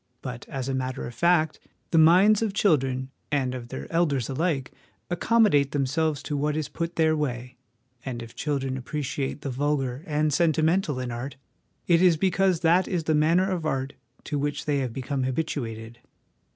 ' But, as a matter of fact, the minds of children and of their elders alike accommodate them selves to what is put in their way ; and if children appreciate the vulgar and sentimental in art, it is because that is the manner of art to which they become habituated.